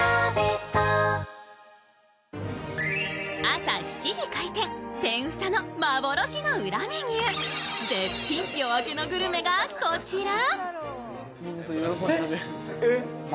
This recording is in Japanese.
朝７時開店、天房の幻の裏メニュー、絶品夜明けのグルメがこちら。